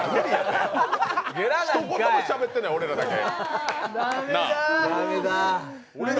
ひと言もしゃべってない、俺らだけ。